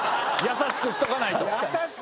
優しくしとかないと。